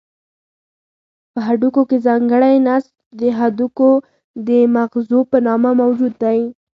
په هډوکو کې ځانګړی نسج د هډوکو د مغزو په نامه موجود دی.